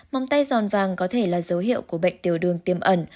móng tay giòn vàng có thể là dấu hiệu của bệnh tiểu đường tiềm ẩn